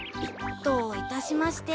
どういたしまして。